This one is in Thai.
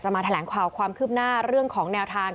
มาแถลงข่าวความคืบหน้าเรื่องของแนวทาง